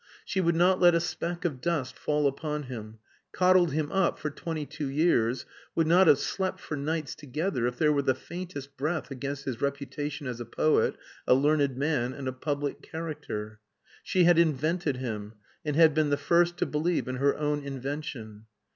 She would not let a speck of dust fall upon him, coddled him up for twenty two years, would not have slept for nights together if there were the faintest breath against his reputation as a poet, a learned man, and a public character. She had invented him, and had been the first to believe in her own invention.